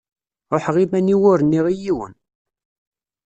Ruḥeɣ iman-iw ur nniɣ i yiwen.